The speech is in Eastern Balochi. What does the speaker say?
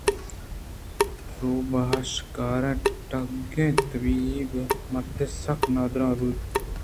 رُوباہ ءِ شکِار ٹگیّں طبیب مردے سکّ نادرٛاہ بُوت